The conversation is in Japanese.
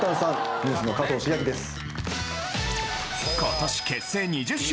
ＮＥＷＳの加藤シゲアキです。